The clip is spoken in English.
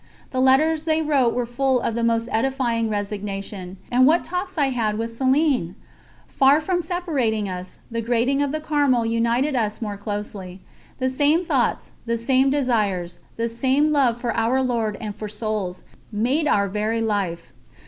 The letters they wrote were full of the most edifying resignation. And what talks I had with Céline! Far from separating us, the grating of the Carmel united us more closely: the same thoughts, the same desires, the same love for Our Lord and for souls, made our very life.